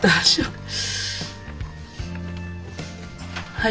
はい。